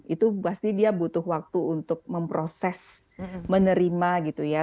itu pasti dia butuh waktu untuk memproses menerima gitu ya